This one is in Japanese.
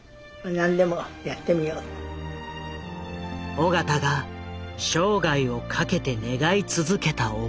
緒方が生涯を懸けて願い続けた思い。